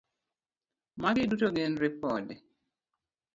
Magi duto gin ripode.